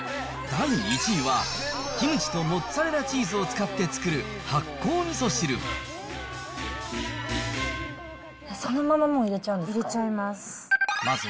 第１位は、キムチとモッツァレラチーズを使って作る発酵みそ汁。そのまま、入れちゃいます。